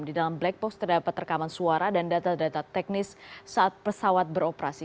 di dalam black box terdapat rekaman suara dan data data teknis saat pesawat beroperasi